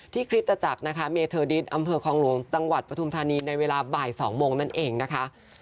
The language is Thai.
คริสตจักรนะคะเมเทอร์ดิสอำเภอคลองหลวงจังหวัดปฐุมธานีในเวลาบ่าย๒โมงนั่นเองนะคะ